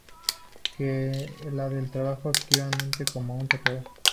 En la que trabajó activamente como un tatuador.